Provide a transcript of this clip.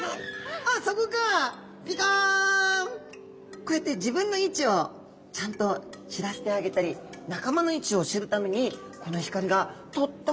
こうやって自分の位置をちゃんと知らせてあげたり仲間の位置を知るためにこの光がとっても役立つんですね。